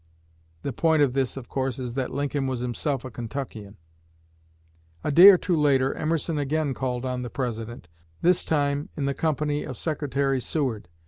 "'" (The point of this of course is that Lincoln was himself a Kentuckian.) A day or two later Emerson again called on the President, this time in the company of Secretary Seward.